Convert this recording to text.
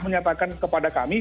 menyatakan kepada kami